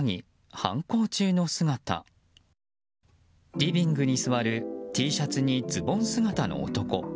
リビングに座るＴシャツにズボン姿の男。